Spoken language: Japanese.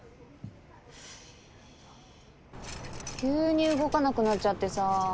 急に動かなくなっちゃってさ。